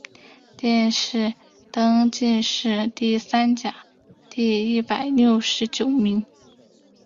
殿试登进士第三甲第一百六十九名。